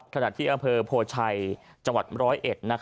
ขณะที่อำเภอโพชัยจังหวัดร้อยเอ็ด